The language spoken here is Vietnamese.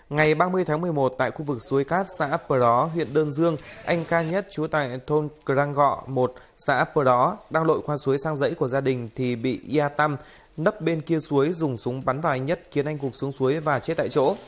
ngày ba mươi tháng một mươi một tại khu vực suối cát xã ấp bờ đó huyện đơn dương anh ca nhất chú tài thôn crang gọ một xã ấp bờ đó đang lội qua suối sang dãy của gia đình thì bị yatam nấp bên kia suối dùng súng bắn vào anh nhất khiến anh cục xuống suối và chết tại chỗ